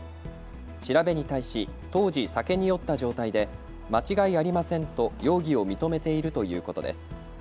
調べに対し当時、酒に酔った状態で間違いありませんと容疑を認めているということです。